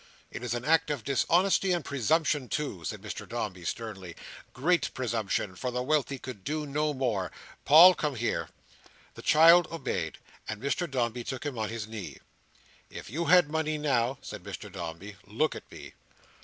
It is an act of dishonesty and presumption, too," said Mr Dombey, sternly; "great presumption; for the wealthy could do no more. Paul, come here!" The child obeyed: and Mr Dombey took him on his knee. "If you had money now—" said Mr Dombey. "Look at me!"